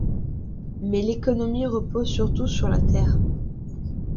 Mais l'économie repose surtout sur la terre.